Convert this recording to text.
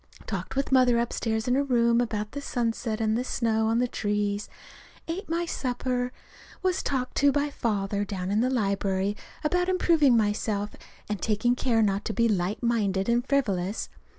Talked with Mother upstairs in her room about the sunset and the snow on the trees. Ate my supper. Was talked to by Father down in the library about improving myself and taking care not to be light minded and frivolous.